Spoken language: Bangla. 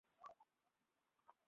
আমরা এখানে থাকতে পারব না।